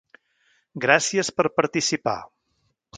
Gràcies per participar.